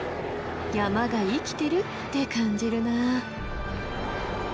山が生きてるって感じるなあ。